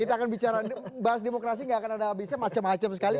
kita akan bicara bahas demokrasi gak akan ada habisnya macam macam sekali